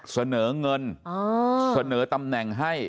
เสนอเงินเสนอตำแหน่งให้